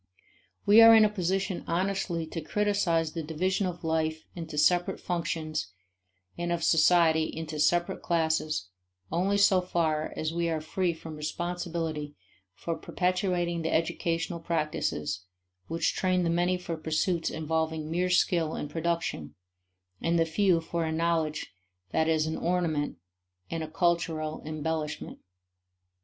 We are in a position honestly to criticize the division of life into separate functions and of society into separate classes only so far as we are free from responsibility for perpetuating the educational practices which train the many for pursuits involving mere skill in production, and the few for a knowledge that is an ornament and a cultural embellishment.